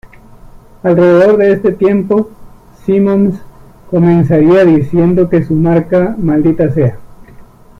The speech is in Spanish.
Alrededor de este tiempo, Simmons comenzaría diciendo que su marca "¡Maldita sea!